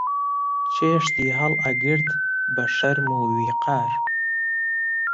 چێشتی هەڵئەگرت بە شەرم و ویقار